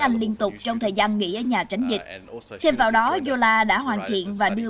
anh liên tục trong thời gian nghỉ ở nhà tránh dịch thêm vào đó yola đã hoàn thiện và đưa